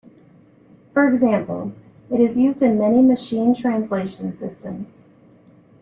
For example, it is used in many machine translation systems.